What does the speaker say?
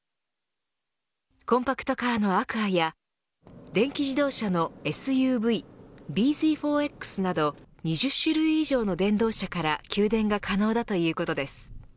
コンパクトカーのアクアや電気自動車のＳＵＶｂＺ４Ｘなど２０種類以上の電動車から給電が可能だということです。